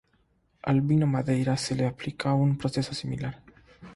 Al vino madeira se le aplica un proceso similar.